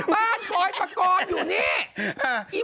บ้านปากกรอยู่นี่